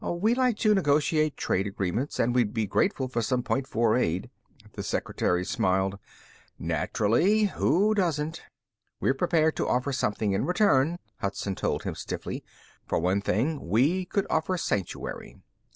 We'd like to negotiate trade agreements and we'd be grateful for some Point Four aid." The secretary smiled. "Naturally. Who doesn't?" "We're prepared to offer something in return," Hudson told him stiffly. "For one thing, we could offer sanctuary."